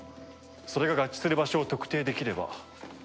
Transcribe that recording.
それが合致する場所を特定できれば。